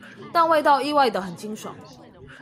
但味道意外地很清爽